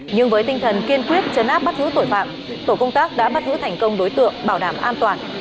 nhưng với tinh thần kiên quyết chấn áp bắt giữ tội phạm tổ công tác đã bắt giữ thành công đối tượng bảo đảm an toàn